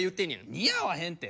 似合わへんて。